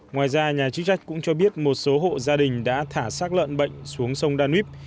ngoài ra nhà chức trách cũng cho biết một số hộ gia đình đã thả sát lợn bệnh xuống sông danup